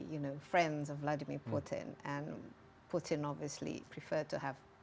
suara moderat utama akan berkelanjutan